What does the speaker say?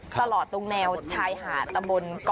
ตลอดตรงแนวชายหาดตำบล